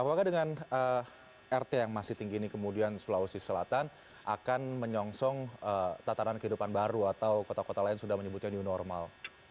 apakah dengan rt yang masih tinggi ini kemudian sulawesi selatan akan menyongsong tatanan kehidupan baru atau kota kota lain sudah menyebutnya new normal